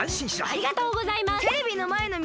ありがとうございます。